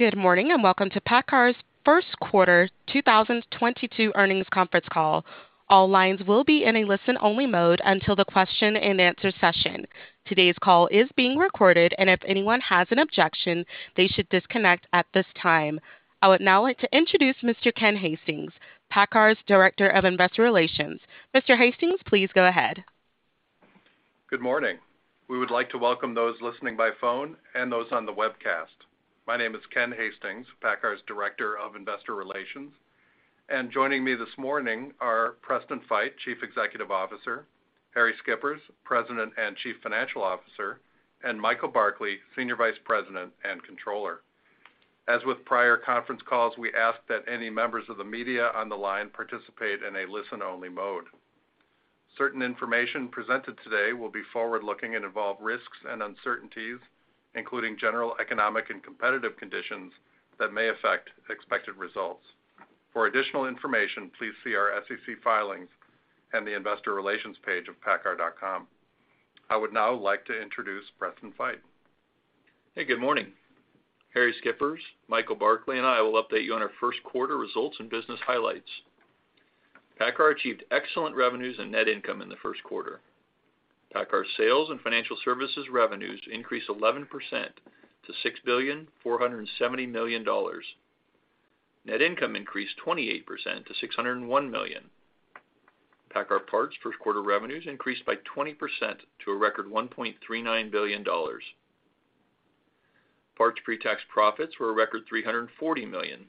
Good morning, and welcome to PACCAR's first quarter 2022 earnings conference call. All lines will be in a listen-only mode until the question-and-answer session. Today's call is being recorded, and if anyone has an objection, they should disconnect at this time. I would now like to introduce Mr. Ken Hastings, PACCAR's Director of Investor Relations. Mr. Hastings, please go ahead. Good morning. We would like to welcome those listening by phone and those on the webcast. My name is Ken Hastings, PACCAR's Director of Investor Relations. Joining me this morning are Preston Feight, Chief Executive Officer, Harrie Schippers, President and Chief Financial Officer, and Michael Barkley, Senior Vice President and Controller. As with prior conference calls, we ask that any members of the media on the line participate in a listen-only mode. Certain information presented today will be forward-looking and involve risks and uncertainties, including general economic and competitive conditions that may affect expected results. For additional information, please see our SEC filings and the investor relations page of paccar.com. I would now like to introduce Preston Feight. Hey, good morning. Harrie Schippers, Michael Barkley, and I will update you on our first quarter results and business highlights. PACCAR achieved excellent revenues and net income in the first quarter. PACCAR sales and financial services revenues increased 11% to $6.47 billion. Net income increased 28% to $601 million. PACCAR Parts first quarter revenues increased by 20% to a record $1.39 billion. Parts pretax profits were a record $340 million,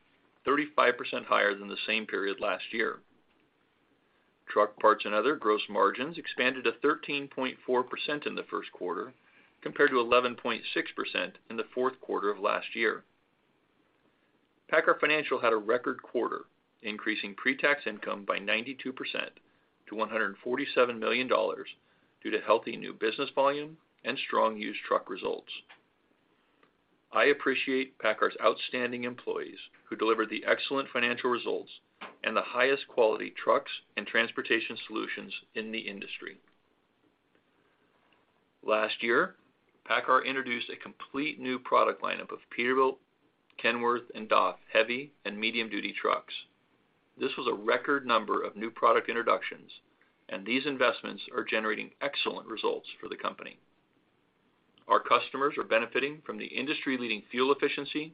35% higher than the same period last year. Truck parts and other gross margins expanded to 13.4% in the first quarter compared to 11.6% in the fourth quarter of last year. PACCAR Financial had a record quarter, increasing pretax income by 92% to $147 million due to healthy new business volume and strong used truck results. I appreciate PACCAR's outstanding employees who delivered the excellent financial results and the highest quality trucks and transportation solutions in the industry. Last year, PACCAR introduced a complete new product lineup of Peterbilt, Kenworth, and DAF heavy and medium-duty trucks. This was a record number of new product introductions, and these investments are generating excellent results for the company. Our customers are benefiting from the industry-leading fuel efficiency,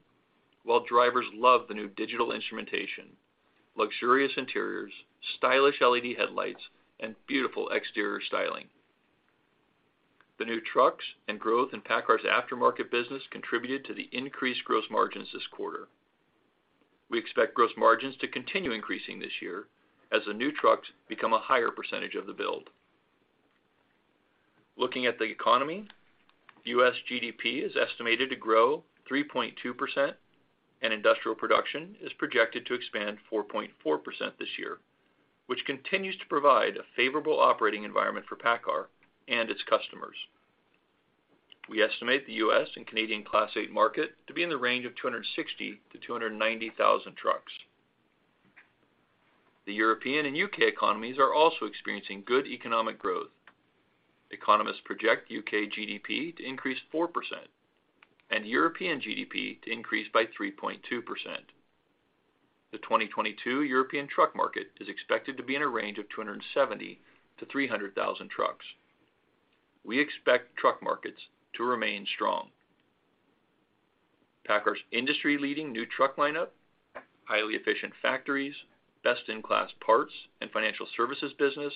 while drivers love the new digital instrumentation, luxurious interiors, stylish LED headlights, and beautiful exterior styling. The new trucks and growth in PACCAR's aftermarket business contributed to the increased gross margins this quarter. We expect gross margins to continue increasing this year as the new trucks become a higher percentage of the build. Looking at the economy, U.S. GDP is estimated to grow 3.2%, and industrial production is projected to expand 4.4% this year, which continues to provide a favorable operating environment for PACCAR and its customers. We estimate the U.S. and Canadian Class 8 market to be in the range of 260,000-290,000 trucks. The European and U.K. economies are also experiencing good economic growth. Economists project U.K. GDP to increase 4% and European GDP to increase by 3.2%. The 2022 European truck market is expected to be in a range of 270,000 trucks-300,000 trucks. We expect truck markets to remain strong. PACCAR's industry-leading new truck lineup, highly efficient factories, best-in-class parts and financial services business,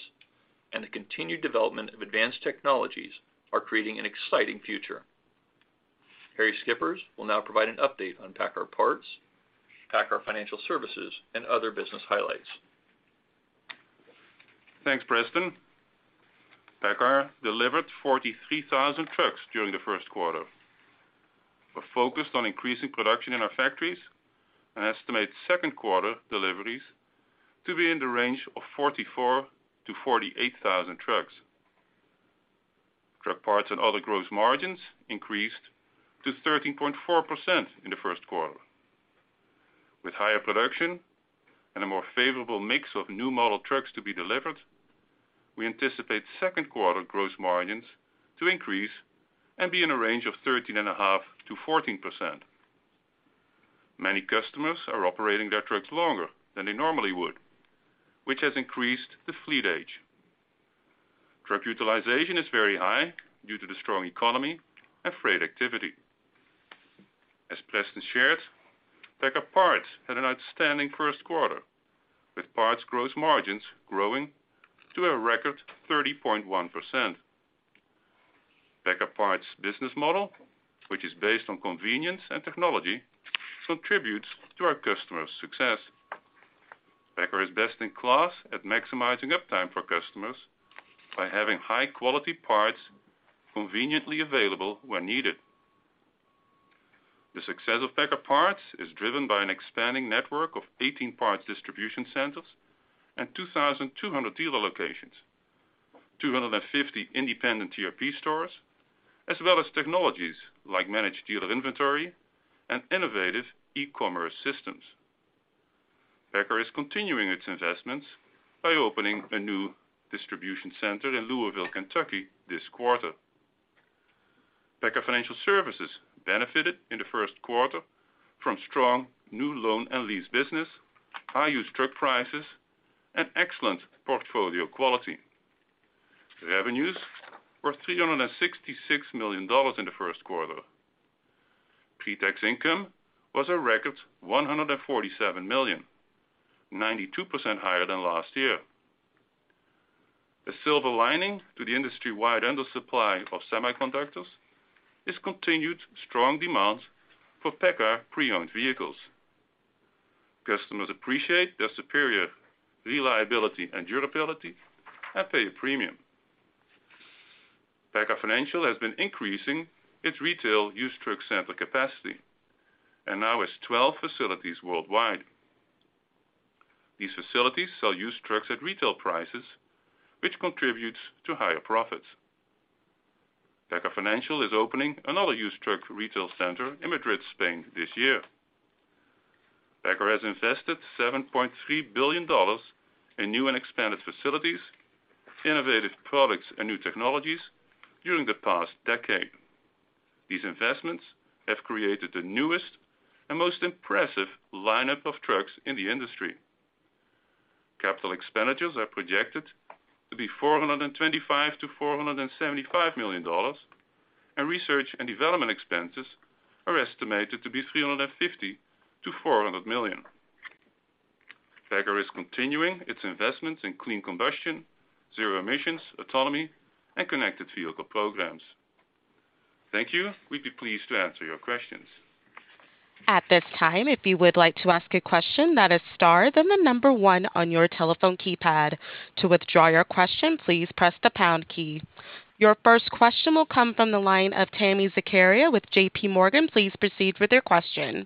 and the continued development of advanced technologies are creating an exciting future. Harrie Schippers will now provide an update on PACCAR Parts, PACCAR Financial Services, and other business highlights. Thanks, Preston. PACCAR delivered 43,000 trucks during the first quarter. We're focused on increasing production in our factories and estimate second quarter deliveries to be in the range of 44,000 trucks-48,000 trucks. Truck parts and other gross margins increased to 13.4% in the first quarter. With higher production and a more favorable mix of new model trucks to be delivered, we anticipate second quarter gross margins to increase and be in a range of 13.5%-14%. Many customers are operating their trucks longer than they normally would, which has increased the fleet age. Truck utilization is very high due to the strong economy and freight activity. As Preston shared, PACCAR Parts had an outstanding first quarter, with parts gross margins growing to a record 30.1%. PACCAR Parts business model, which is based on convenience and technology, contributes to our customers' success. PACCAR is best in class at maximizing uptime for customers by having high-quality parts conveniently available when needed. The success of PACCAR Parts is driven by an expanding network of 18 parts distribution centers and 2,200 dealer locations, 250 independent TRP stores, as well as technologies like managed dealer inventory and innovative e-commerce systems. PACCAR is continuing its investments by opening a new distribution center in Louisville, Kentucky, this quarter. PACCAR Financial Services benefited in the first quarter from strong new loan and lease business, high used truck prices, and excellent portfolio quality. Revenues were $366 million in the first quarter. Pre-tax income was a record $147 million, 92% higher than last year. The silver lining to the industry-wide under supply of semiconductors is continued strong demand for PACCAR pre-owned vehicles. Customers appreciate their superior reliability and durability and pay a premium. PACCAR Financial has been increasing its retail used truck center capacity and now has 12 facilities worldwide. These facilities sell used trucks at retail prices, which contributes to higher profits. PACCAR Financial is opening another used truck retail center in Madrid, Spain this year. PACCAR has invested $7.3 billion in new and expanded facilities, innovative products and new technologies during the past decade. These investments have created the newest and most impressive lineup of trucks in the industry. Capital expenditures are projected to be $425 million-$475 million, and research and development expenses are estimated to be $350 million-$400 million. PACCAR is continuing its investments in clean combustion, zero emissions, autonomy, and connected vehicle programs. Thank you. We'd be pleased to answer your questions. Your first question will come from the line of Tami Zakaria with JPMorgan. Please proceed with your question.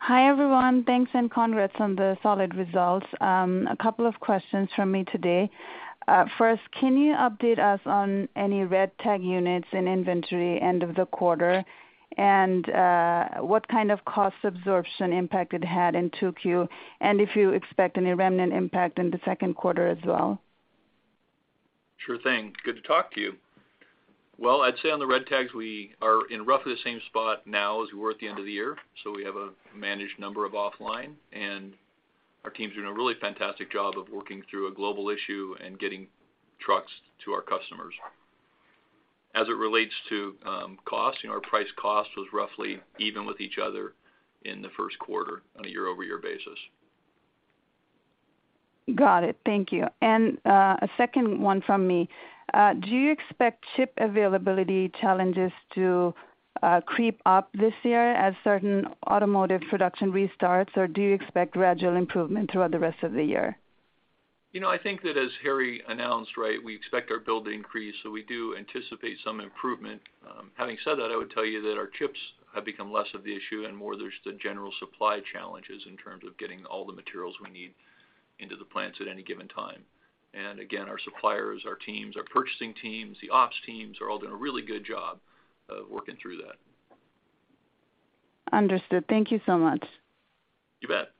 Hi, everyone. Thanks, and congrats on the solid results. A couple of questions from me today. First, can you update us on any red tag units in inventory end of the quarter? What kind of cost absorption impact it had in 2Q? If you expect any remnant impact in the second quarter as well. Sure thing. Good to talk to you. Well, I'd say on the red tags, we are in roughly the same spot now as we were at the end of the year. We have a managed number of offline, and our team's doing a really fantastic job of working through a global issue and getting trucks to our customers. As it relates to cost, you know, our price cost was roughly even with each other in the first quarter on a year-over-year basis. Got it. Thank you. A second one from me. Do you expect chip availability challenges to creep up this year as certain automotive production restarts? Or do you expect gradual improvement throughout the rest of the year? You know, I think that as Harrie announced, right, we expect our build to increase, so we do anticipate some improvement. Having said that, I would tell you that our chips have become less of the issue and more there's the general supply challenges in terms of getting all the materials we need into the plants at any given time. Again, our suppliers, our teams, our purchasing teams, the ops teams are all doing a really good job of working through that. Understood. Thank you so much. You bet.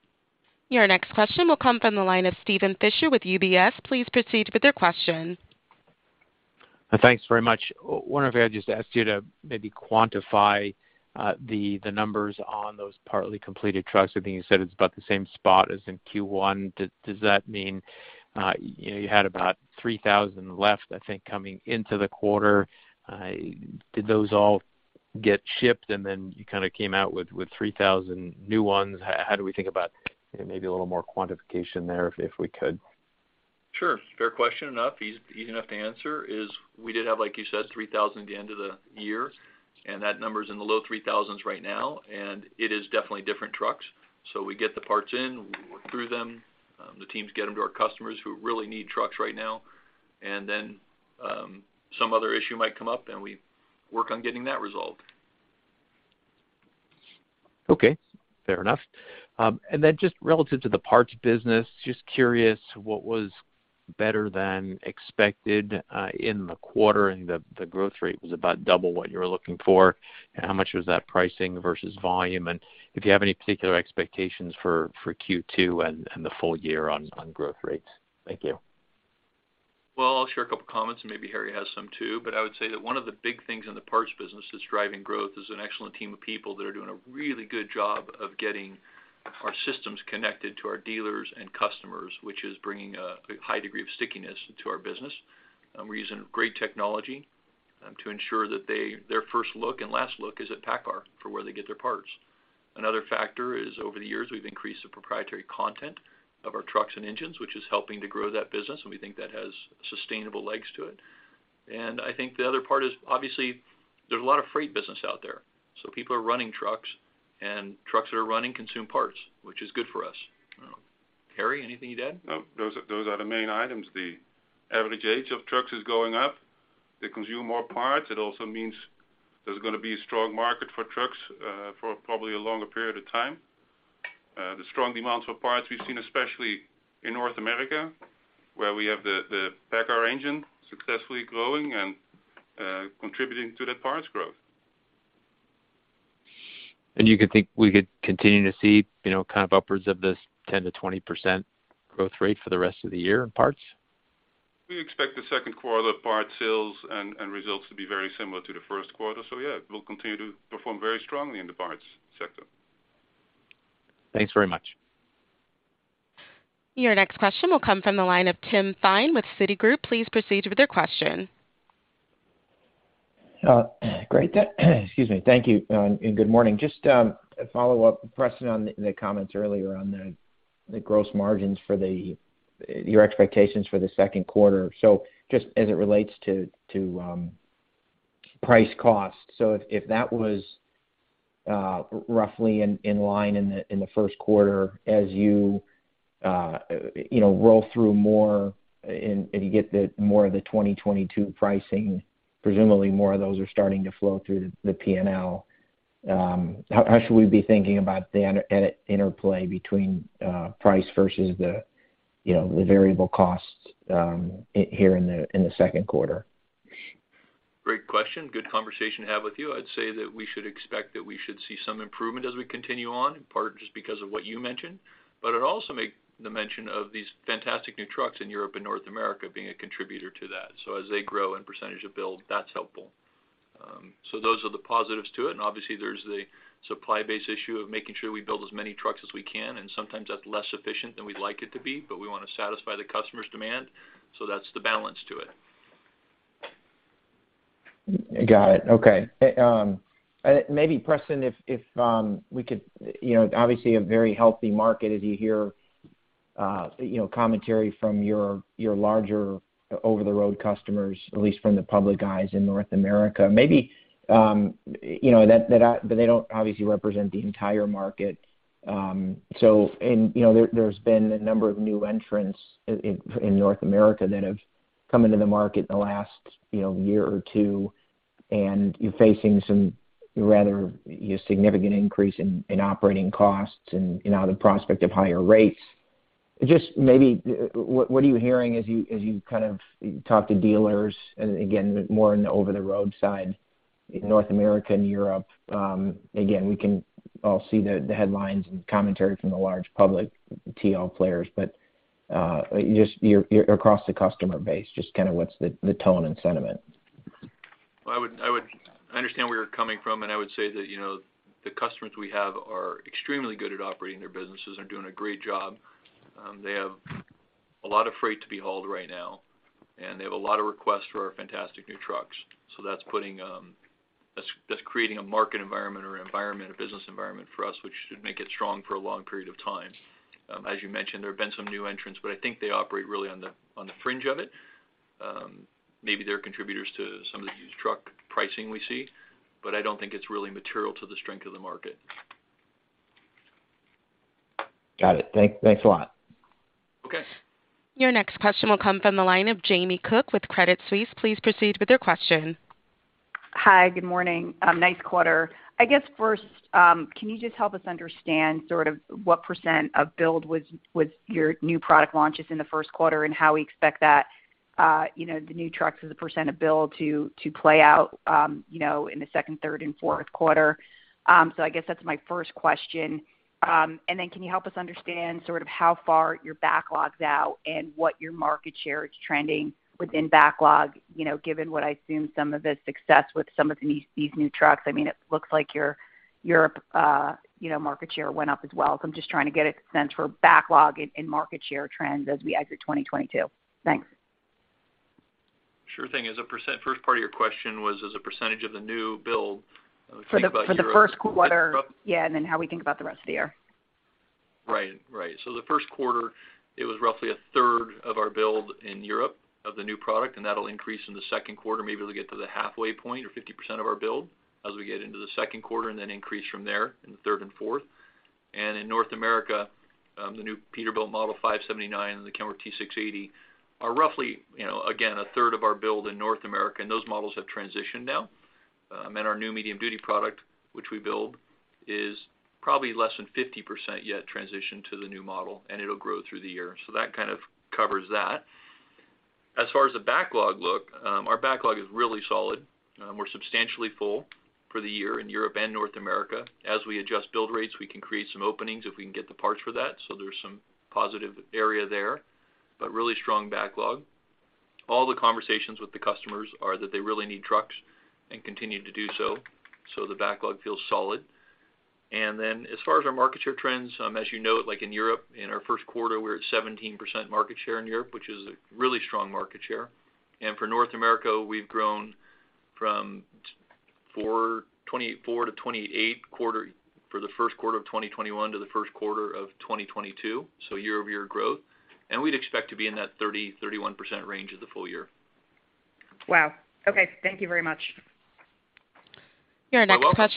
Your next question will come from the line of Steven Fisher with UBS. Please proceed with your question. Thanks very much. One, if I could just ask you to maybe quantify the numbers on those partly completed trucks. I think you said it's about the same spot as in Q1. Does that mean you know you had about 3,000 left, I think, coming into the quarter. Did those all get shipped and then you kind of came out with 3,000 new ones? How do we think about you know maybe a little more quantification there if we could? Sure. Fair question enough. Easy enough to answer is we did have, like you said, 3,000 at the end of the year, and that number is in the low 3,000s right now, and it is definitely different trucks. We get the parts in, we work through them, the teams get them to our customers who really need trucks right now. Some other issue might come up and we work on getting that resolved. Okay, fair enough. Just relative to the parts business, just curious what was better than expected in the quarter, and the growth rate was about double what you were looking for. How much was that pricing versus volume? If you have any particular expectations for Q2 and the full year on growth rates. Thank you. Well, I'll share a couple comments and maybe Harrie has some too, but I would say that one of the big things in the parts business that's driving growth is an excellent team of people that are doing a really good job of getting our systems connected to our dealers and customers, which is bringing a high degree of stickiness to our business. We're using great technology to ensure that their first look and last look is at PACCAR for where they get their parts. Another factor is over the years, we've increased the proprietary content of our trucks and engines, which is helping to grow that business, and we think that has sustainable legs to it. I think the other part is, obviously, there's a lot of freight business out there, so people are running trucks, and trucks that are running consume parts, which is good for us. Harrie, anything you'd add? No. Those are the main items. The average age of trucks is going up. They consume more parts. It also means there's gonna be a strong market for trucks for probably a longer period of time. The strong demands for parts we've seen, especially in North America, where we have the PACCAR engine successfully growing and contributing to that parts growth. You could think we could continue to see, you know, kind of upwards of this 10%-20% growth rate for the rest of the year in parts? We expect the second quarter parts sales and results to be very similar to the first quarter. Yeah, we'll continue to perform very strongly in the parts sector. Thanks very much. Your next question will come from the line of Tim Thein with Citigroup. Please proceed with your question. Great. Excuse me. Thank you, and good morning. Just a follow-up question on the comments earlier on the gross margins for your expectations for the second quarter. Just as it relates to price cost. If that was roughly in line in the first quarter as you know, roll through more and you get more of the 2022 pricing, presumably more of those are starting to flow through the P&L. How should we be thinking about the interplay between price versus, you know, the variable costs here in the second quarter? Great question. Good conversation to have with you. I'd say that we should expect that we should see some improvement as we continue on, in part just because of what you mentioned. I'd also make the mention of these fantastic new trucks in Europe and North America being a contributor to that. As they grow in percentage of build, that's helpful. Those are the positives to it. Obviously, there's the supply base issue of making sure we build as many trucks as we can, and sometimes that's less efficient than we'd like it to be, but we want to satisfy the customer's demand. That's the balance to it. Got it. Okay. Maybe Preston, if we could, you know, obviously a very healthy market as you hear, you know, commentary from your larger over-the-road customers, at least from the public eye in North America. Maybe, you know, that, but they don't obviously represent the entire market. So and, you know, there's been a number of new entrants in North America that have come into the market in the last, you know, year or two, and you're facing some rather significant increase in operating costs and, you know, the prospect of higher rates. Just maybe what are you hearing as you kind of talk to dealers and again, more in the over-the-road side in North America and Europe? Again, we can all see the headlines and commentary from the large public TL players. Just your across the customer base, just kind of what's the tone and sentiment? Well, I would understand where you're coming from, and I would say that, you know, the customers we have are extremely good at operating their businesses and doing a great job. They have a lot of freight to be hauled right now, and they have a lot of requests for our fantastic new trucks. That's creating a market environment, a business environment for us, which should make it strong for a long period of time. As you mentioned, there have been some new entrants, but I think they operate really on the fringe of it. Maybe they're contributors to some of the used truck pricing we see, but I don't think it's really material to the strength of the market. Got it. Thanks a lot. Okay. Your next question will come from the line of Jamie Cook with Credit Suisse. Please proceed with your question. Hi. Good morning. Nice quarter. I guess first, can you just help us understand sort of what percent of build was your new product launches in the first quarter and how we expect that, you know, the new trucks as a percent of build to play out, you know, in the second, third and fourth quarter? So I guess that's my first question. And then can you help us understand sort of how far your backlog's out and what your market share is trending within backlog, you know, given what I assume some of the success with some of these new trucks? I mean, it looks like your Europe, you know, market share went up as well. I'm just trying to get a sense for backlog and market share trends as we exit 2022. Thanks. Sure thing. As a percent, first part of your question was as a percent of the new build For the first quarter. Yeah. How we think about the rest of the year. Right. The first quarter, it was roughly a third of our build in Europe of the new product, and that'll increase in the second quarter, maybe it'll get to the halfway point or 50% of our build as we get into the second quarter and then increase from there in the third and fourth. In North America, the new Peterbilt Model 579 and the Kenworth T680 are roughly, you know, again, a third of our build in North America, and those models have transitioned now. Our new medium duty product, which we build, is probably less than 50% yet transitioned to the new model, and it'll grow through the year. That kind of covers that. As far as the backlog look, our backlog is really solid. We're substantially full for the year in Europe and North America. As we adjust build rates, we can create some openings if we can get the parts for that. There's some positive area there, but really strong backlog. All the conversations with the customers are that they really need trucks and continue to do so the backlog feels solid. As far as our market share trends, as you know, like in Europe, in our first quarter, we're at 17% market share in Europe, which is a really strong market share. For North America, we've grown from twenty-four to twenty-eight for the first quarter of 2021 to the first quarter of 2022. Year-over-year growth. We'd expect to be in that 30%-31% range for the full year. Wow. Okay. Thank you very much. You're welcome.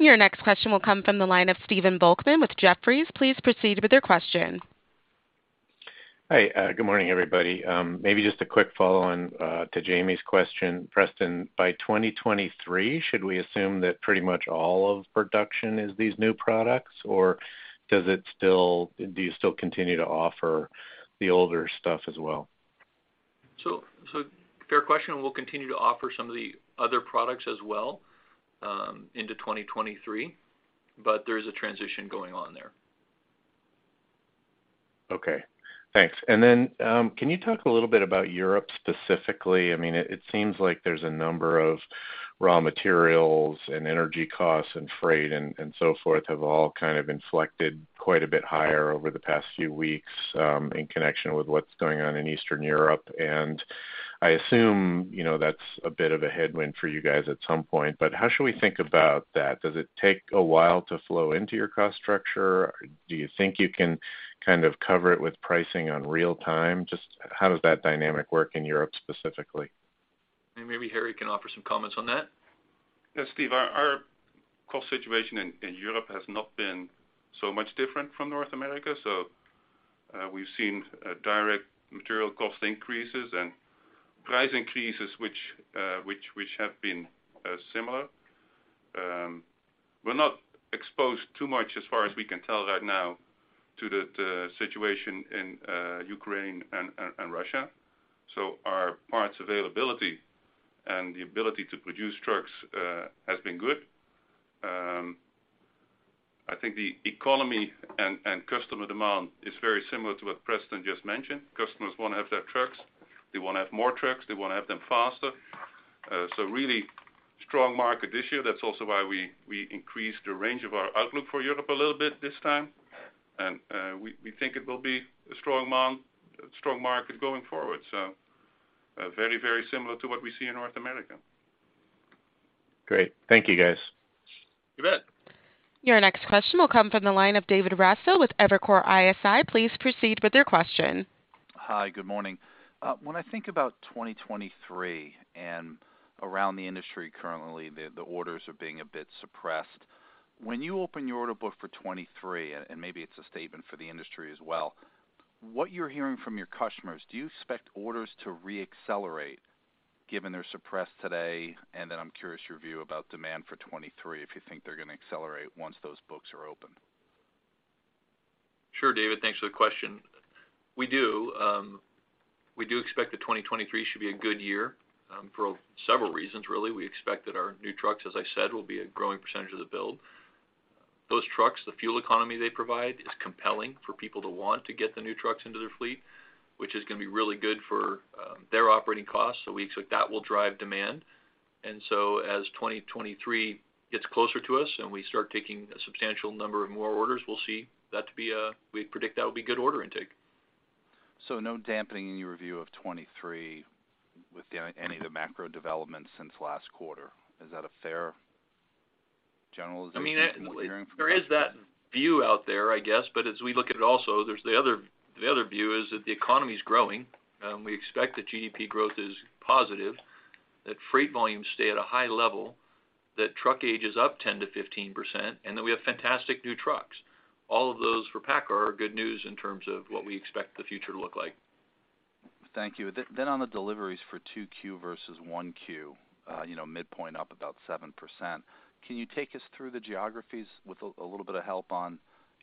Your next question will come from the line of Stephen Volkmann with Jefferies. Please proceed with your question. Hi. Good morning, everybody. Maybe just a quick follow-on to Jamie's question. Preston, by 2023, should we assume that pretty much all of production is these new products, or do you still continue to offer the older stuff as well? Fair question, and we'll continue to offer some of the other products as well, into 2023. There is a transition going on there. Okay, thanks. Then, can you talk a little bit about Europe specifically? I mean, it seems like there's a number of raw materials and energy costs and freight and so forth have all kind of inflected quite a bit higher over the past few weeks, in connection with what's going on in Eastern Europe. I assume, you know, that's a bit of a headwind for you guys at some point, but how should we think about that? Does it take a while to flow into your cost structure? Do you think you can kind of cover it with pricing on real time? Just how does that dynamic work in Europe specifically? Maybe Harrie can offer some comments on that. Yes, Stephen, our cost situation in Europe has not been so much different from North America. We've seen direct material cost increases and price increases which have been similar. We're not exposed too much as far as we can tell right now to the situation in Ukraine and Russia. Our parts availability and the ability to produce trucks has been good. I think the economy and customer demand is very similar to what Preston just mentioned. Customers wanna have their trucks. They wanna have more trucks, they wanna have them faster. Really strong market this year. That's also why we increased the range of our outlook for Europe a little bit this time. We think it will be a strong market going forward. Very, very similar to what we see in North America. Great. Thank you, guys. You bet. Your next question will come from the line of David Raso with Evercore ISI. Please proceed with your question. Hi, good morning. When I think about 2023 and around the industry currently, the orders are being a bit suppressed. When you open your order book for 2023, maybe it's a statement for the industry as well, what you're hearing from your customers, do you expect orders to re-accelerate given they're suppressed today? Then I'm curious your view about demand for 2023, if you think they're gonna accelerate once those books are open. Sure, David, thanks for the question. We do expect that 2023 should be a good year for several reasons really. We expect that our new trucks, as I said, will be a growing percentage of the build. Those trucks, the fuel economy they provide is compelling for people to want to get the new trucks into their fleet, which is gonna be really good for their operating costs. We expect that will drive demand. As 2023 gets closer to us and we start taking a substantial number of more orders, we predict that will be good order intake. No dampening in your view of 2023 with any of the macro developments since last quarter. Is that a fair generalization from what you're hearing from customers? I mean, there is that view out there, I guess. As we look at it also, there's the other view is that the economy's growing. We expect that GDP growth is positive, that freight volumes stay at a high level, that truck age is up 10%-15%, and that we have fantastic new trucks. All of those for PACCAR are good news in terms of what we expect the future to look like. Thank you. On the deliveries for 2Q versus 1Q, you know, midpoint up about 7%, can you take us through the geographies with a little bit of help on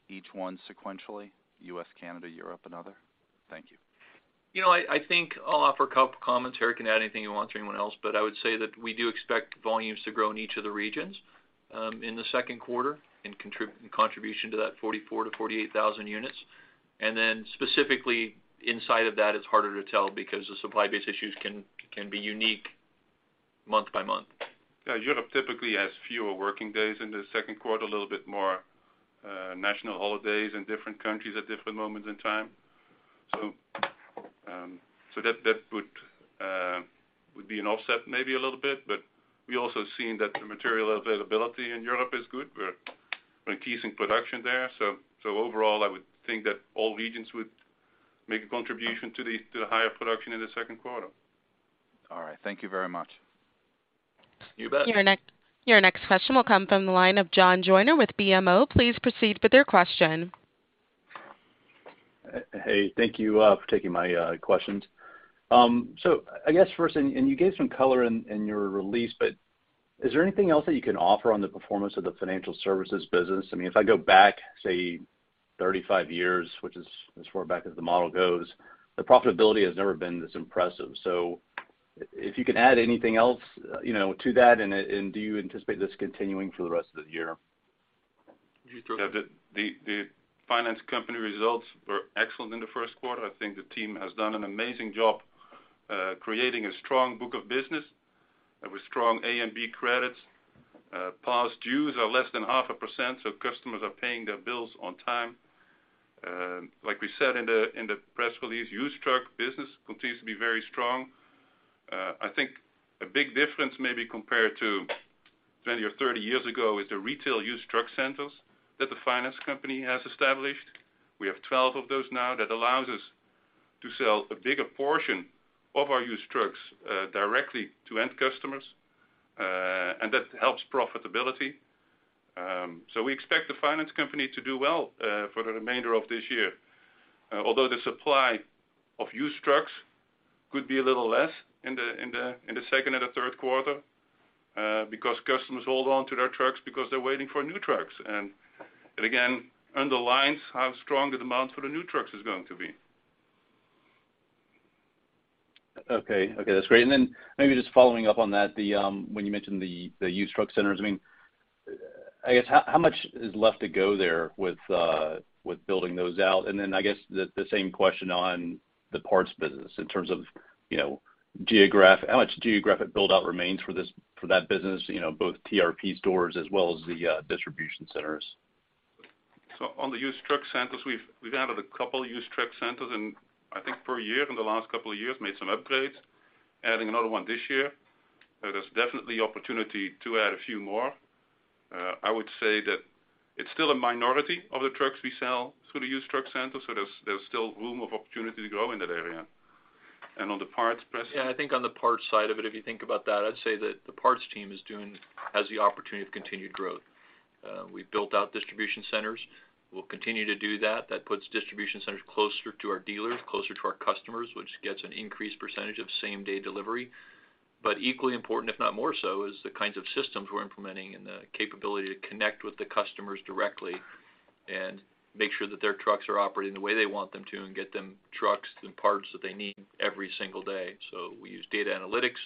each one sequentially, U.S., Canada, Europe, and other? Thank you. You know, I think I'll offer a couple comments. Harrie can add anything he wants or anyone else, but I would say that we do expect volumes to grow in each of the regions, in the second quarter in contribution to that 44,000 units-48,000 units. Then specifically inside of that, it's harder to tell because the supply base issues can be unique month by month. Yeah, Europe typically has fewer working days in the second quarter, a little bit more national holidays in different countries at different moments in time. That would be an offset maybe a little bit, but we also seen that the material availability in Europe is good. We're increasing production there. Overall, I would think that all regions would make a contribution to the higher production in the second quarter. All right. Thank you very much. You bet. Your next question will come from the line of John Joyner with BMO. Please proceed with your question. Hey, thank you for taking my questions. I guess first, and you gave some color in your release, but is there anything else that you can offer on the performance of the financial services business? I mean, if I go back, say, 35 years, which is as far back as the model goes, the profitability has never been this impressive. If you could add anything else, you know, to that and do you anticipate this continuing for the rest of the year? Yeah, the finance company results were excellent in the first quarter. I think the team has done an amazing job creating a strong book of business with strong A and B credits. Past dues are less than 0.5%, so customers are paying their bills on time. Like we said in the press release, used truck business continues to be very strong. I think a big difference maybe compared to 20 years or 30 years ago is the retail used truck centers that the finance company has established. We have 12 of those now. That allows us to sell a bigger portion of our used trucks directly to end customers. That helps profitability. We expect the finance company to do well for the remainder of this year, although the supply of used trucks could be a little less in the second and the third quarter. Because customers hold on to their trucks because they're waiting for new trucks. It again underlines how strong the demand for the new trucks is going to be. Okay. Okay, that's great. Maybe just following up on that, when you mentioned the used truck centers, I mean, I guess how much is left to go there with building those out? I guess the same question on the parts business in terms of, you know, how much geographic build out remains for that business, you know, both TRP stores as well as the distribution centers. On the used truck centers, we've added a couple used truck centers in, I think per year in the last couple of years, made some upgrades, adding another one this year. There is definitely opportunity to add a few more. I would say that it's still a minority of the trucks we sell through the used truck centers, so there's still room for opportunity to grow in that area. On the parts press- Yeah, I think on the parts side of it, if you think about that, I'd say that the parts team has the opportunity of continued growth. We've built out distribution centers. We'll continue to do that. That puts distribution centers closer to our dealers, closer to our customers, which gets an increased percentage of same-day delivery. Equally important, if not more so, is the kinds of systems we're implementing and the capability to connect with the customers directly and make sure that their trucks are operating the way they want them to, and get them trucks and parts that they need every single day. We use data analytics,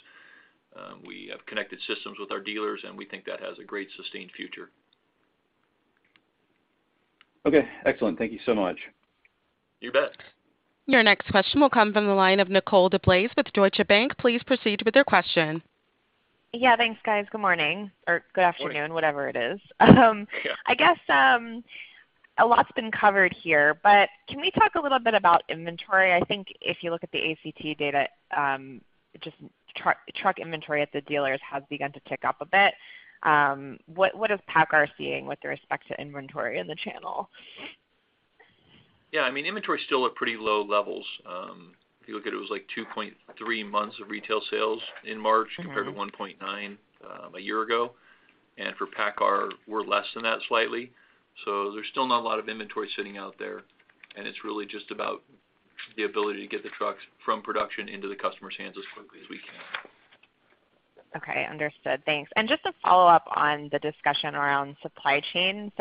we have connected systems with our dealers, and we think that has a great sustained future. Okay, excellent. Thank you so much. You bet. Your next question will come from the line of Nicole DeBlase with Deutsche Bank. Please proceed with your question. Yeah, thanks, guys. Good morning or good afternoon. Of course. whatever it is. Yeah. I guess a lot's been covered here, but can we talk a little bit about inventory? I think if you look at the ACT data, just truck inventory at the dealers has begun to tick up a bit. What is PACCAR seeing with respect to inventory in the channel? I mean, inventory is still at pretty low levels. If you look at it was like 2.3 months of retail sales in March. Mm-hmm Compared to 1.9 a year ago. For PACCAR, we're less than that slightly. There's still not a lot of inventory sitting out there, and it's really just about the ability to get the trucks from production into the customer's hands as quickly as we can. Okay, understood. Thanks. Just to follow up on the discussion around supply chain.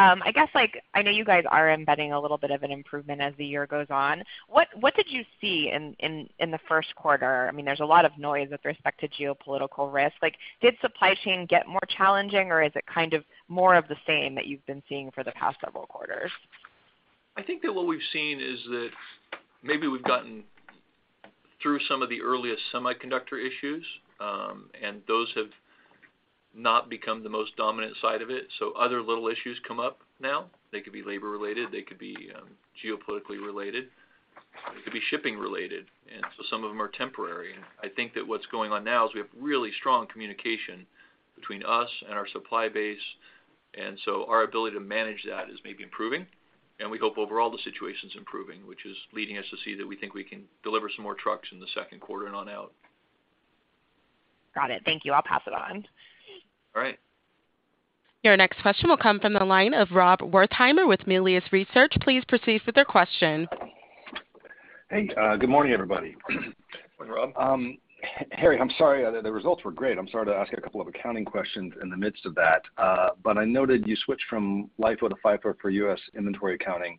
I guess, like, I know you guys are embedding a little bit of an improvement as the year goes on. What did you see in the first quarter? I mean, there's a lot of noise with respect to geopolitical risk. Like, did supply chain get more challenging, or is it kind of more of the same that you've been seeing for the past several quarters? I think that what we've seen is that maybe we've gotten through some of the earliest semiconductor issues, and those have not become the most dominant side of it. Other little issues come up now. They could be labor-related, they could be, geopolitically related, they could be shipping related. Some of them are temporary. I think that what's going on now is we have really strong communication between us and our supply base, and so our ability to manage that is maybe improving. We hope overall the situation's improving, which is leading us to see that we think we can deliver some more trucks in the second quarter and on out. Got it. Thank you. I'll pass it on. All right. Your next question will come from the line of Rob Wertheimer with Melius Research. Please proceed with your question. Hey, good morning, everybody. Good morning, Rob. Harrie, I'm sorry, the results were great. I'm sorry to ask a couple of accounting questions in the midst of that. But I noted you switched from LIFO to FIFO for U.S. inventory accounting.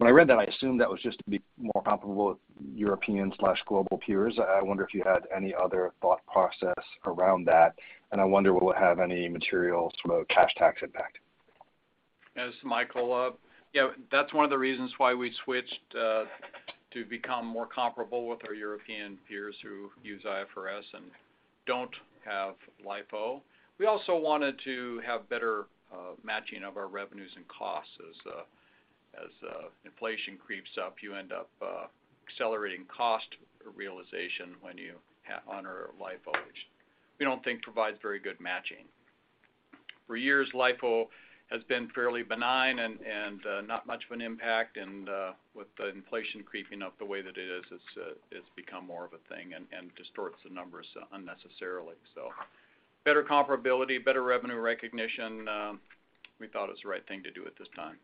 When I read that, I assumed that was just to be more comparable with European/global peers. I wonder if you had any other thought process around that, and I wonder will it have any material sort of cash tax impact. Yes, Michael, yeah, that's one of the reasons why we switched to become more comparable with our European peers who use IFRS and don't have LIFO. We also wanted to have better matching of our revenues and costs. As inflation creeps up, you end up accelerating cost realization when you honor LIFO, which we don't think provides very good matching. For years, LIFO has been fairly benign and not much of an impact. With the inflation creeping up the way that it is, it's become more of a thing and distorts the numbers unnecessarily. Better comparability, better revenue recognition, we thought it was the right thing to do at this time.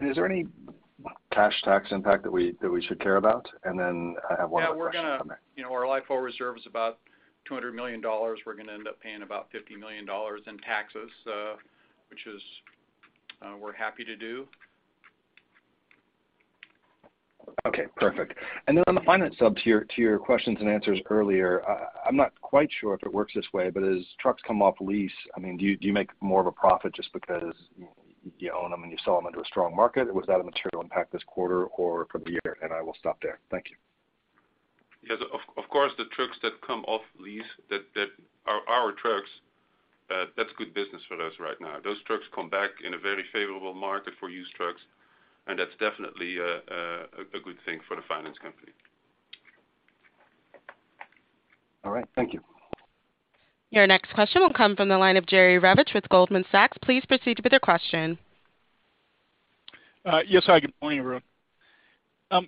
Is there any cash tax impact that we should care about? Then I have one other question coming. You know, our LIFO reserve is about $200 million. We're gonna end up paying about $50 million in taxes, which is, we're happy to do. Okay, perfect. On the finance sub to your questions and answers earlier, I'm not quite sure if it works this way, but as trucks come off lease, I mean, do you make more of a profit just because you own them and you sell them into a strong market? Was that a material impact this quarter or for the year? I will stop there. Thank you. Yes, of course, the trucks that come off lease that are our trucks, that's good business for us right now. Those trucks come back in a very favorable market for used trucks, and that's definitely a good thing for the finance company. All right. Thank you. Your next question will come from the line of Jerry Revich with Goldman Sachs. Please proceed with your question. Yes, hi. Good morning, everyone. I'm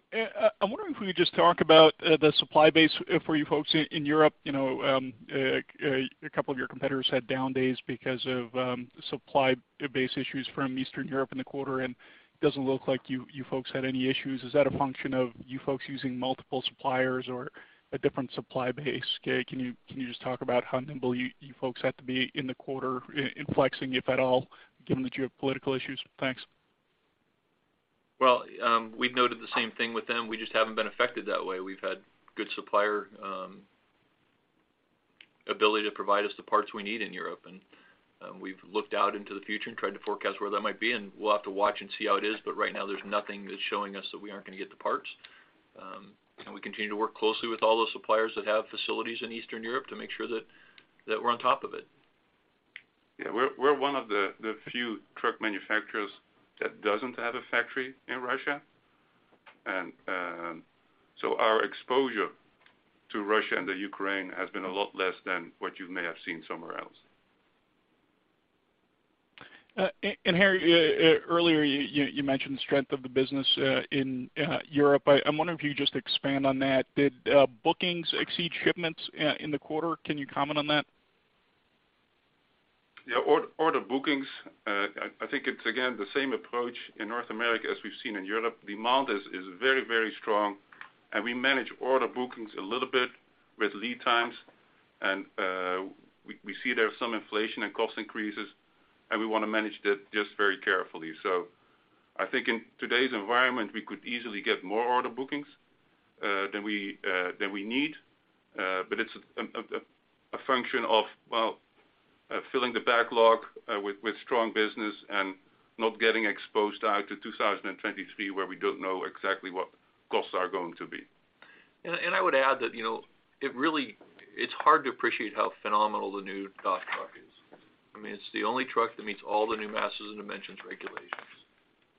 wondering if we could just talk about the supply base for you folks in Europe. You know, a couple of your competitors had down days because of supply base issues from Eastern Europe in the quarter, and it doesn't look like you folks had any issues. Is that a function of you folks using multiple suppliers or a different supply base? Can you just talk about how nimble you folks have to be in the quarter in flexing, if at all, given that you have political issues? Thanks. Well, we've noted the same thing with them. We just haven't been affected that way. We've had good supplier ability to provide us the parts we need in Europe. We've looked out into the future and tried to forecast where that might be, and we'll have to watch and see how it is, but right now there's nothing that's showing us that we aren't going to get the parts. We continue to work closely with all the suppliers that have facilities in Eastern Europe to make sure that we're on top of it. Yeah. We're one of the few truck manufacturers that doesn't have a factory in Russia. Our exposure to Russia and the Ukraine has been a lot less than what you may have seen somewhere else. Harrie, earlier you mentioned the strength of the business in Europe. I'm wondering if you could just expand on that. Did bookings exceed shipments in the quarter? Can you comment on that? Yeah. Order bookings, I think it's again the same approach in North America as we've seen in Europe. Demand is very, very strong, and we manage order bookings a little bit with lead times. We see there some inflation and cost increases, and we want to manage that just very carefully. I think in today's environment, we could easily get more order bookings than we need. But it's a function of, well, filling the backlog with strong business and not getting exposed out to 2023, where we don't know exactly what costs are going to be. I would add that, you know, it really is hard to appreciate how phenomenal the new DAF truck is. I mean, it's the only truck that meets all the new masses and dimensions regulations.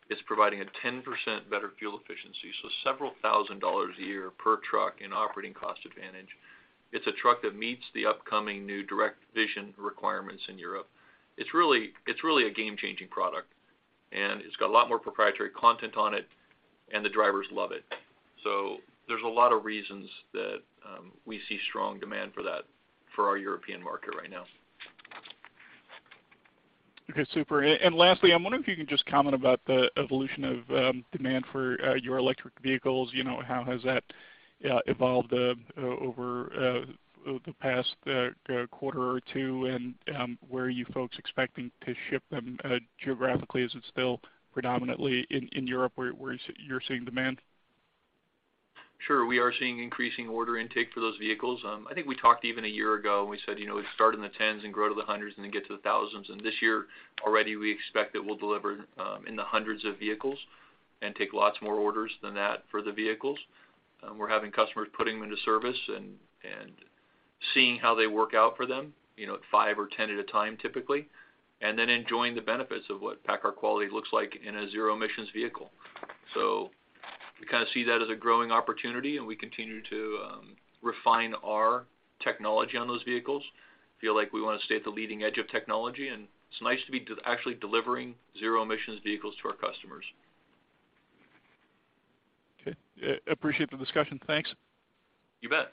It's providing a 10% better fuel efficiency, so several thousand dollars a year per truck in operating cost advantage. It's a truck that meets the upcoming new direct vision requirements in Europe. It's really a game-changing product, and it's got a lot more proprietary content on it, and the drivers love it. There's a lot of reasons that we see strong demand for that for our European market right now. Okay, super. Lastly, I'm wondering if you can just comment about the evolution of demand for your electric vehicles. You know, how has that evolved over the past quarter or two, and where are you folks expecting to ship them geographically? Is it still predominantly in Europe where you're seeing demand? Sure. We are seeing increasing order intake for those vehicles. I think we talked even a year ago, and we said, you know, we'd start in the tens and grow to the hundreds and then get to the thousands. This year already, we expect that we'll deliver in the hundreds of vehicles and take lots more orders than that for the vehicles. We're having customers putting them into service and seeing how they work out for them, you know, at five or 10 at a time, typically, and then enjoying the benefits of what PACCAR quality looks like in a zero emissions vehicle. We kind of see that as a growing opportunity, and we continue to refine our technology on those vehicles. Feel like we want to stay at the leading edge of technology, and it's nice to be actually delivering zero emissions vehicles to our customers. Okay. Appreciate the discussion. Thanks. You bet.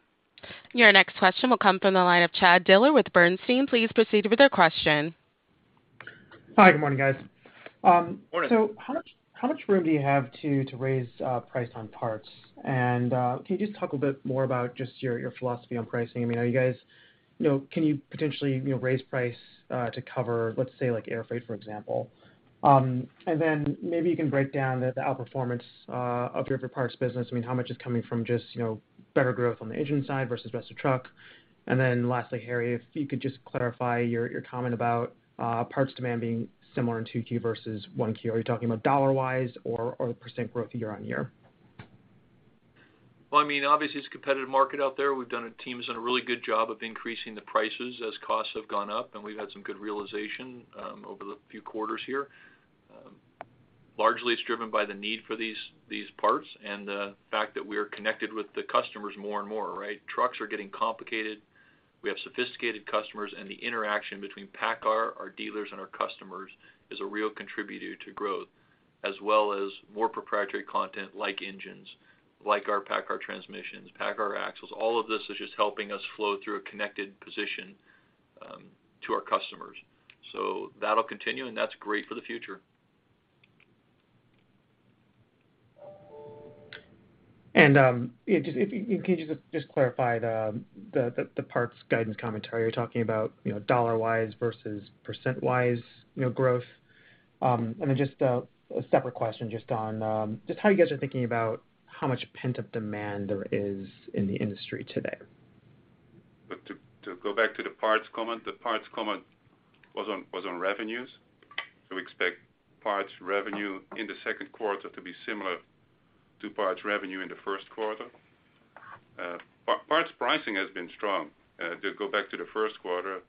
Your next question will come from the line of Chad Dillard with Bernstein. Please proceed with your question. Hi. Good morning, guys. Morning. How much room do you have to raise price on parts? Can you just talk a bit more about your philosophy on pricing? I mean, are you guys, you know, can you potentially, you know, raise price to cover, let's say, like air freight, for example? Then maybe you can break down the outperformance of your parts business. I mean, how much is coming from just, you know, better growth on the engine side versus rest of truck. Lastly, Harrie, if you could just clarify your comment about parts demand being similar in Q2 versus Q1. Are you talking about dollar-wise or % growth year-over-year? Well, I mean, obviously it's a competitive market out there. Our team has done a really good job of increasing the prices as costs have gone up, and we've had some good realization over the few quarters here. Largely it's driven by the need for these parts and the fact that we are connected with the customers more and more, right? Trucks are getting complicated. We have sophisticated customers, and the interaction between PACCAR, our dealers and our customers is a real contributor to growth, as well as more proprietary content like PACCAR engines, like our PACCAR transmissions, PACCAR axles. All of this is just helping us flow through a connected position to our customers. That'll continue, and that's great for the future. If you can you just clarify the parts guidance commentary. Are you talking about, you know, dollar-wise versus percent-wise, you know, growth? Just a separate question just on just how you guys are thinking about how much pent-up demand there is in the industry today. To go back to the parts comment, the parts comment was on revenues. We expect parts revenue in the second quarter to be similar to parts revenue in the first quarter. Parts pricing has been strong. To go back to the first quarter,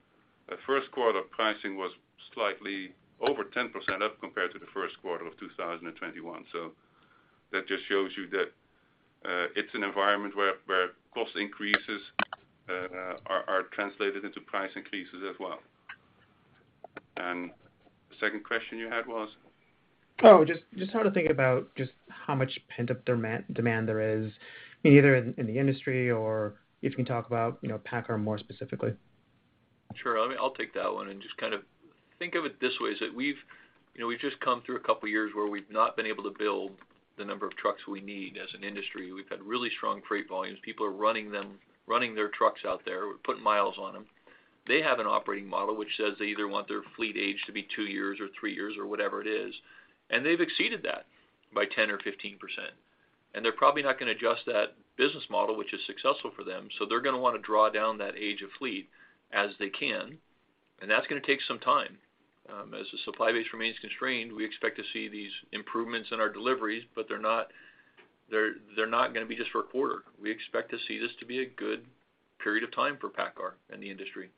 the first quarter pricing was slightly over 10% up compared to the first quarter of 2021. That just shows you that it's an environment where cost increases are translated into price increases as well. The second question you had was? Oh, just how to think about just how much pent-up demand there is either in the industry or if you can talk about, you know, PACCAR more specifically. Sure. I mean, I'll take that one, and just kind of think of it this way, is that we've, you know, we've just come through a couple of years where we've not been able to build the number of trucks we need as an industry. We've had really strong freight volumes. People are running them, running their trucks out there. We're putting miles on them. They have an operating model which says they either want their fleet age to be two years or three years or whatever it is, and they've exceeded that by 10% or 15%. And they're probably not going to adjust that business model, which is successful for them. So they're going to want to draw down that age of fleet as they can, and that's going to take some time. As the supply base remains constrained, we expect to see these improvements in our deliveries, but they're not going to be just for a quarter. We expect to see this to be a good period of time for PACCAR and the industry.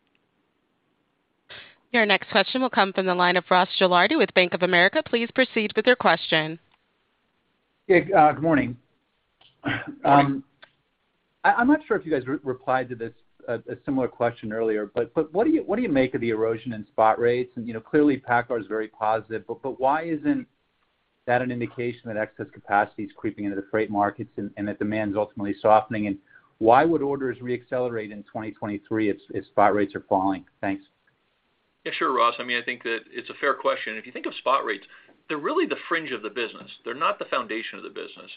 Your next question will come from the line of Ross Gilardi with Bank of America. Please proceed with your question. Yeah, good morning. Good morning. I'm not sure if you guys replied to a similar question earlier, but what do you make of the erosion in spot rates? You know, clearly, PACCAR is very positive, but why isn't that an indication that excess capacity is creeping into the freight markets and the demand is ultimately softening? Why would orders reaccelerate in 2023 if spot rates are falling? Thanks. Yeah, sure, Ross. I mean, I think that it's a fair question. If you think of spot rates, they're really the fringe of the business. They're not the foundation of the business.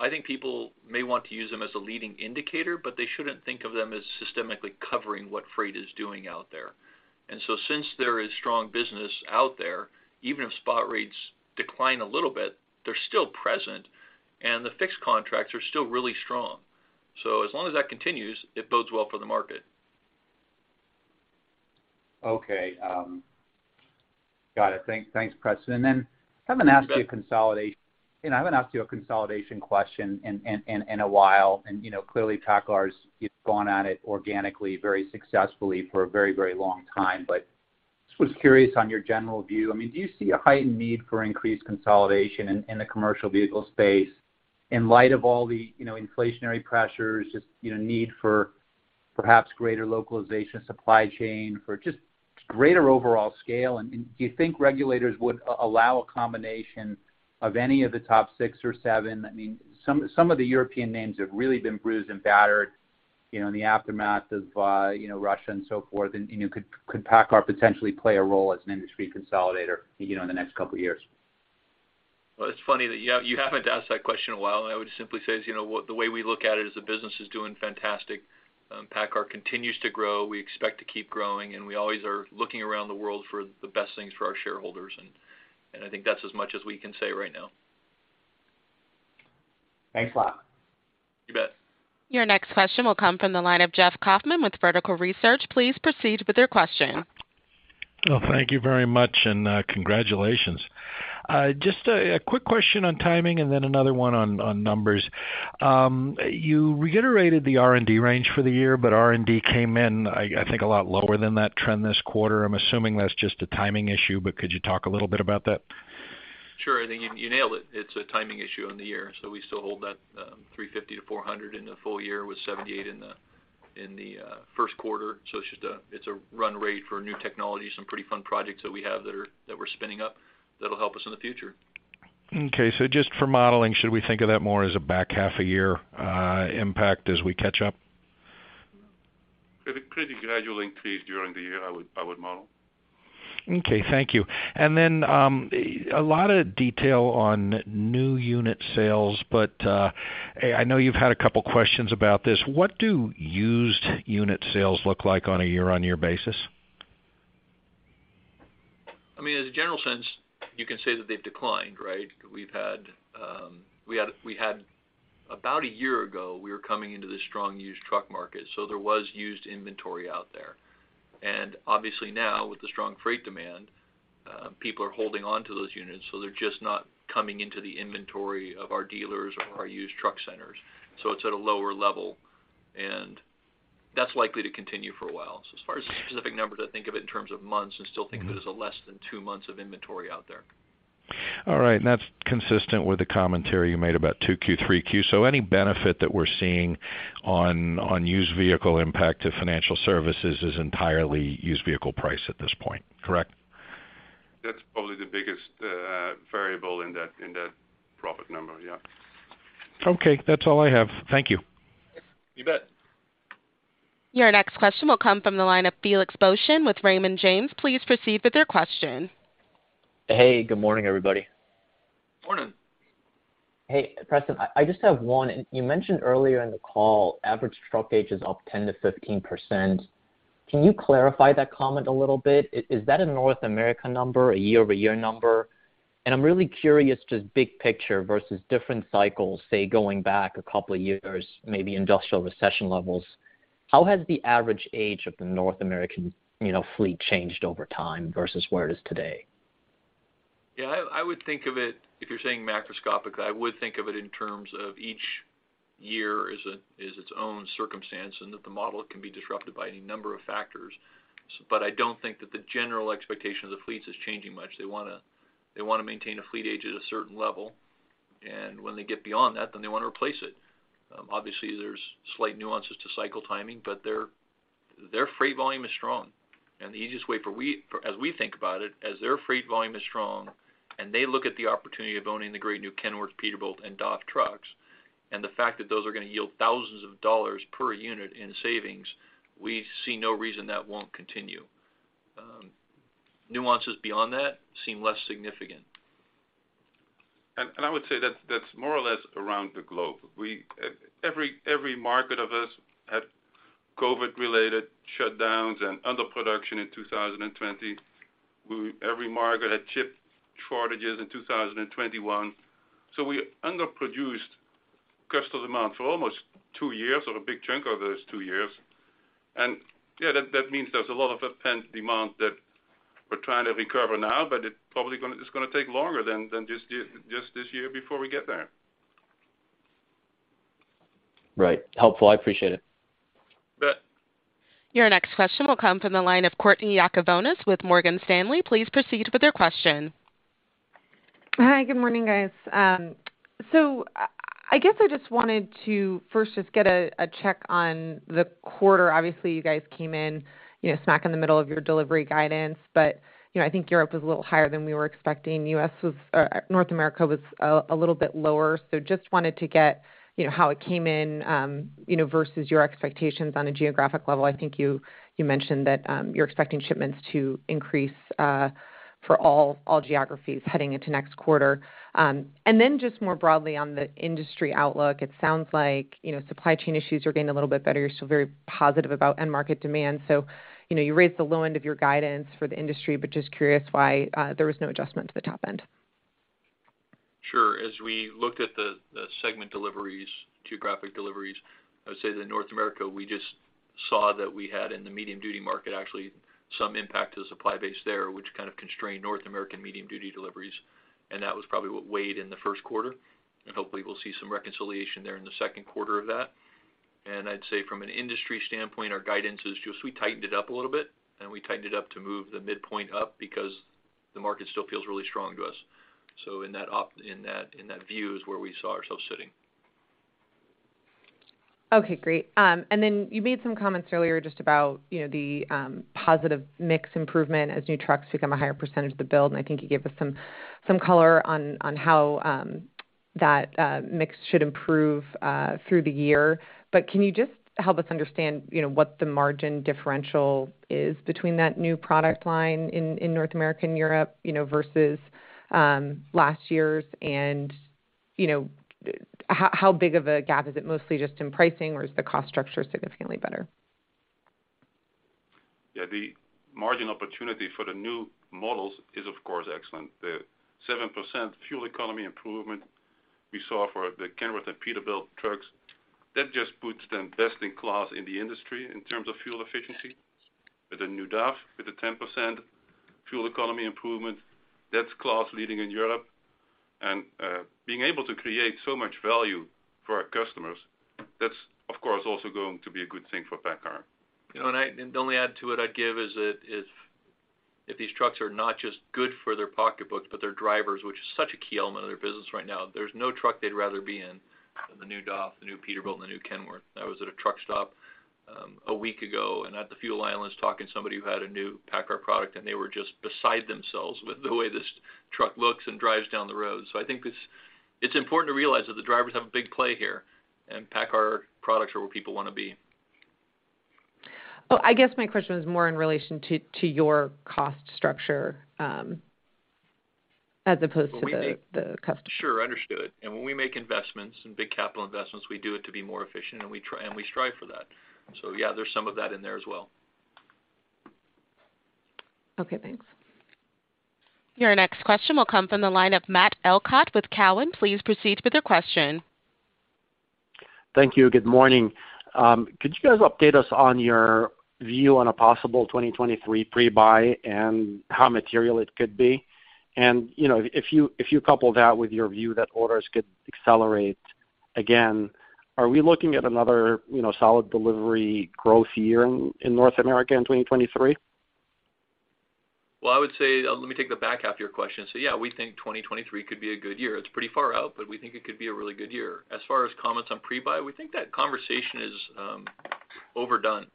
I think people may want to use them as a leading indicator, but they shouldn't think of them as systematically covering what freight is doing out there. Since there is strong business out there, even if spot rates decline a little bit, they're still present, and the fixed contracts are still really strong. As long as that continues, it bodes well for the market. Okay, got it. Thanks, Preston. Then I haven't asked you a consolidation question in a while. You know, clearly PACCAR's gone at it organically very successfully for a very long time. Just was curious on your general view. I mean, do you see a heightened need for increased consolidation in the commercial vehicle space in light of all the inflationary pressures, you know, need for perhaps greater localization, supply chain for just greater overall scale? Do you think regulators would allow a combination of any of the top six or seven? I mean, some of the European names have really been bruised and battered, you know, in the aftermath of Russia and so forth. You know, could PACCAR potentially play a role as an industry consolidator, you know, in the next couple of years? Well, it's funny that you haven't asked that question in a while, and I would just simply say, you know what? The way we look at it is the business is doing fantastic. PACCAR continues to grow. We expect to keep growing, and we always are looking around the world for the best things for our shareholders. I think that's as much as we can say right now. Thanks a lot. You bet. Your next question will come from the line of Jeffrey Kauffman with Vertical Research. Please proceed with your question. Well, thank you very much, and congratulations. Just a quick question on timing and then another one on numbers. You reiterated the R&D range for the year, but R&D came in, I think a lot lower than that trend this quarter. I'm assuming that's just a timing issue, but could you talk a little bit about that? Sure. I think you nailed it. It's a timing issue on the year. We still hold that $350 million-$400 million in the full year with $78 million in the first quarter. It's just a run rate for new technology, some pretty fun projects that we have that we're spinning up that'll help us in the future. Okay. Just for modeling, should we think of that more as a back half a year, impact as we catch up? It's a pretty gradual increase during the year. I would model. Okay, thank you. A lot of detail on new unit sales, but, I know you've had a couple of questions about this. What do used unit sales look like on a year-on-year basis? I mean, as a general sense, you can say that they've declined, right? We had about a year ago, we were coming into this strong used truck market, so there was used inventory out there. Obviously now with the strong freight demand, people are holding on to those units, so they're just not coming into the inventory of our dealers or our used truck centers. It's at a lower level, and that's likely to continue for a while. As far as specific numbers, I think of it in terms of months and still think of it as a less than two months of inventory out there. All right. That's consistent with the commentary you made about 2Q, 3Q. Any benefit that we're seeing on used vehicle impact to financial services is entirely used vehicle price at this point, correct? That's probably the biggest variable in that profit number. Yeah. Okay, that's all I have. Thank you. You bet. Your next question will come from the line of Felix Boeschen with Raymond James. Please proceed with your question. Hey, good morning, everybody. Morning. Hey, Preston, I just have one. You mentioned earlier in the call average truck age is up 10%-15%. Can you clarify that comment a little bit? Is that a North America number, a year-over-year number? I'm really curious, just big picture versus different cycles, say going back a couple of years, maybe industrial recession levels, how has the average age of the North American, you know, fleet changed over time versus where it is today? Yeah, I would think of it, if you're saying macroscopically, I would think of it in terms of each year is its own circumstance, and that the model can be disrupted by any number of factors. I don't think that the general expectation of the fleets is changing much. They wanna maintain a fleet age at a certain level, and when they get beyond that, then they want to replace it. Obviously, there's slight nuances to cycle timing, but their freight volume is strong. The easiest way, as we think about it, as their freight volume is strong, and they look at the opportunity of owning the great new Kenworth, Peterbilt, and DAF trucks, and the fact that those are going to yield thousands of dollars per unit in savings, we see no reason that won't continue. Nuances beyond that seem less significant. I would say that's more or less around the globe. Every market of ours had COVID-related shutdowns and underproduction in 2020. Every market had chip shortages in 2021. We underproduced customer demand for almost two years or a big chunk of those two years. Yeah, that means there's a lot of pent-up demand that we're trying to recover now, but it's probably gonna take longer than just this year before we get there. Right. Helpful. I appreciate it. Bet. Your next question will come from the line of Courtney Yakavonis with Morgan Stanley. Please proceed with your question. Hi, good morning, guys. I guess I just wanted to first just get a check on the quarter. Obviously, you guys came in, you know, smack in the middle of your delivery guidance. You know, I think Europe was a little higher than we were expecting. U.S. was or North America was a little bit lower. Just wanted to get, you know, how it came in, you know, versus your expectations on a geographic level. I think you mentioned that, you're expecting shipments to increase for all geographies heading into next quarter. And then just more broadly on the industry outlook, it sounds like, you know, supply chain issues are getting a little bit better. You're still very positive about end market demand. You know, you raised the low end of your guidance for the industry, but just curious why there was no adjustment to the top end. Sure. As we looked at the segment deliveries, geographic deliveries, I would say that North America, we just saw that we had in the medium-duty market, actually some impact to the supply base there, which kind of constrained North American medium-duty deliveries. That was probably what weighed in the first quarter. Hopefully we'll see some reconciliation there in the second quarter of that. I'd say from an industry standpoint, our guidance is just we tightened it up a little bit, and we tightened it up to move the midpoint up because the market still feels really strong to us. In that view is where we saw ourselves sitting. Okay, great. Then you made some comments earlier just about, you know, the positive mix improvement as new trucks become a higher percentage of the build, and I think you gave us some color on how that mix should improve through the year. Can you just help us understand, you know, what the margin differential is between that new product line in North America and Europe, you know, versus last year's? You know, how big of a gap? Is it mostly just in pricing, or is the cost structure significantly better? Yeah. The margin opportunity for the new models is, of course, excellent. The 7% fuel economy improvement we saw for the Kenworth and Peterbilt trucks, that just puts them best in class in the industry in terms of fuel efficiency. With the new DAF, with the 10% fuel economy improvement, that's class-leading in Europe. Being able to create so much value for our customers, that's, of course, also going to be a good thing for PACCAR. You know, and the only add to it I'd give is that if these trucks are not just good for their pocketbooks, but their drivers, which is such a key element of their business right now, there's no truck they'd rather be in than the new DAF, the new Peterbilt, and the new Kenworth. I was at a truck stop, a week ago, and at the fuel island was talking to somebody who had a new PACCAR product, and they were just beside themselves with the way this truck looks and drives down the road. I think it's important to realize that the drivers have a big play here, and PACCAR products are where people wanna be. Oh, I guess my question was more in relation to your cost structure, as opposed to the- When we make. the customer. Sure. Understood. When we make investments, and big capital investments, we do it to be more efficient, and we strive for that. Yeah, there's some of that in there as well. Okay, thanks. Your next question will come from the line of Matt Elkott with Cowen. Please proceed with your question. Thank you. Good morning. Could you guys update us on your view on a possible 2023 pre-buy and how material it could be? You know, if you couple that with your view that orders could accelerate again, are we looking at another, you know, solid delivery growth year in North America in 2023? Well, I would say, let me take the back half of your question. Yeah, we think 2023 could be a good year. It's pretty far out, but we think it could be a really good year. As far as comments on pre-buy, we think that conversation is overdone.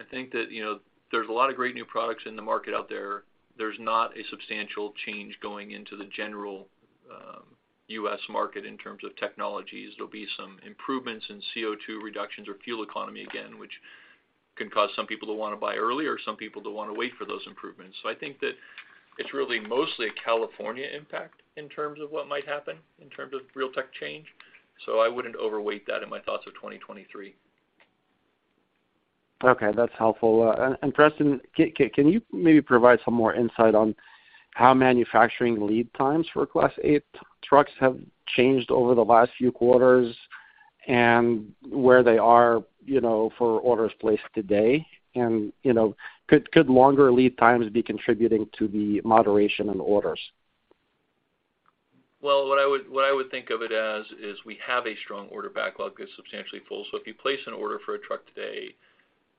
I think that, you know, there's a lot of great new products in the market out there. There's not a substantial change going into the general U.S. market in terms of technologies. There'll be some improvements in CO2 reductions or fuel economy again, which can cause some people to wanna buy early or some people to wanna wait for those improvements. I think that it's really mostly a California impact in terms of what might happen in terms of real tech change. I wouldn't overweight that in my thoughts of 2023. Okay, that's helpful. Preston, can you maybe provide some more insight on how manufacturing lead times for Class 8 trucks have changed over the last few quarters and where they are, you know, for orders placed today? You know, could longer lead times be contributing to the moderation in orders? Well, what I would think of it as is we have a strong order backlog is substantially full. So if you place an order for a truck today,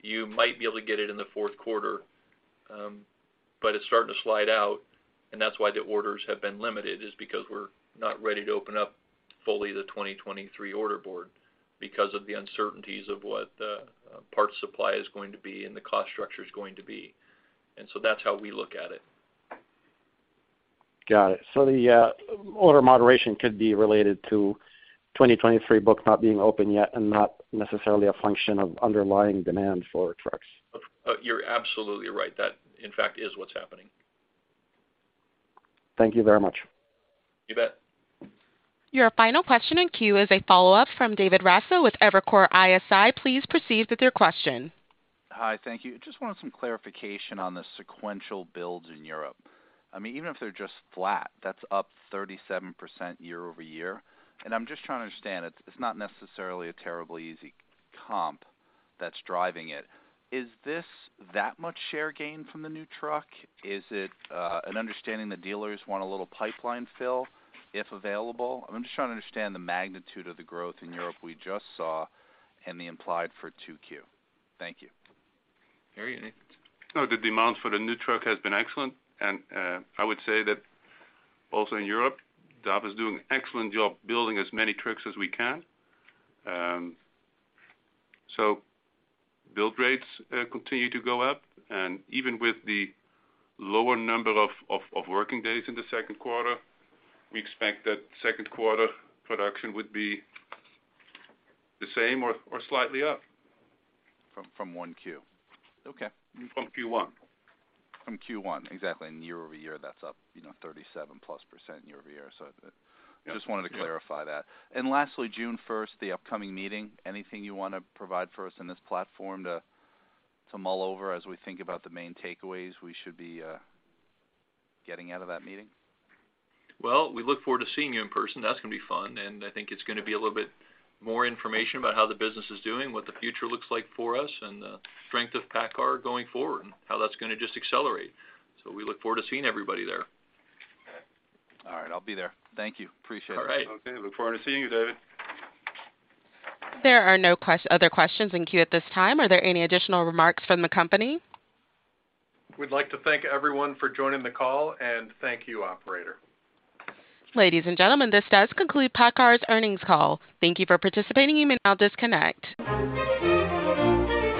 you might be able to get it in the fourth quarter, but it's starting to slide out, and that's why the orders have been limited, is because we're not ready to open up fully the 2023 order board because of the uncertainties of what the parts supply is going to be and the cost structure is going to be. That's how we look at it. Got it. The order moderation could be related to 2023 books not being open yet and not necessarily a function of underlying demand for trucks. You're absolutely right. That, in fact, is what's happening. Thank you very much. You bet. Your final question in queue is a follow-up from David Raso with Evercore ISI. Please proceed with your question. Hi. Thank you. Just wanted some clarification on the sequential builds in Europe. I mean, even if they're just flat, that's up 37% year-over-year. I'm just trying to understand it. It's not necessarily a terribly easy comp that's driving it. Is this that much share gain from the new truck? Is it an understanding the dealers want a little pipeline fill if available? I'm just trying to understand the magnitude of the growth in Europe we just saw and the implied for 2Q. Thank you. Harrie, anything? No, the demand for the new truck has been excellent. I would say that also in Europe, DAF is doing an excellent job building as many trucks as we can. Build rates continue to go up. Even with the lower number of working days in the second quarter, we expect that second quarter production would be the same or slightly up. From Q1. Okay. From Q1. From Q1. Exactly. Year-over-year, that's up, you know, 37%+ year-over-year. Just wanted to clarify that. Lastly, June 1st, the upcoming meeting, anything you wanna provide for us in this platform to mull over as we think about the main takeaways we should be getting out of that meeting? Well, we look forward to seeing you in person. That's gonna be fun, and I think it's gonna be a little bit more information about how the business is doing, what the future looks like for us and the strength of PACCAR going forward and how that's gonna just accelerate. We look forward to seeing everybody there. All right, I'll be there. Thank you. Appreciate it. All right. I look forward to seeing you, David. There are no other questions in queue at this time. Are there any additional remarks from the company? We'd like to thank everyone for joining the call, and thank you, operator. Ladies and gentlemen, this does conclude PACCAR's earnings call. Thank you for participating. You may now disconnect.